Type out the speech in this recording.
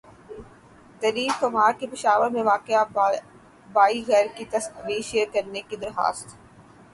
دلیپ کمار کی پشاور میں واقع بائی گھر کی تصاویر شیئر کرنے کی درخواست